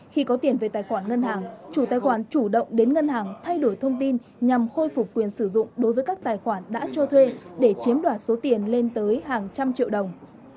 khi có tiền về tài khoản ngân hàng chủ tài khoản chủ động đến ngân hàng thay đổi thông tin nhằm khôi phục quyền sử dụng đối với các tài khoản đã cho thuê để chiếm đoạt số tiền lên tới hàng trăm triệu đồng